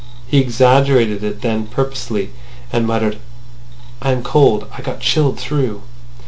He exaggerated it then purposely, and muttered: "I am cold. I got chilled through."